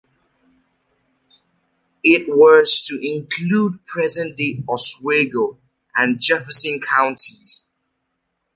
It was to include present day Oswego and Jefferson Counties.